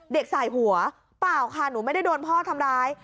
สายหัวเปล่าค่ะหนูไม่ได้โดนพ่อทำร้าย